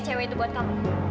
cewek itu buat kamu